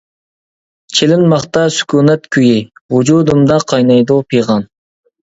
-چېلىنماقتا سۈكۈنات كۈيى، ۋۇجۇدۇمدا قاينايدۇ پىغان!